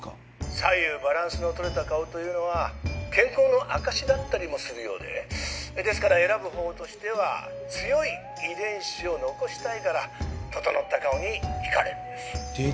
左右バランスの取れた顔というのは健康の証しだったりもするようでですから選ぶほうとしては強い遺伝子を残したいから整った顔に惹かれるんです。